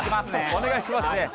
お願いしますね。